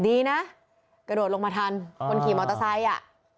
ดีนะกระโดดลงมาทันคนขี่มอเตอร์ไซค์อ่ะ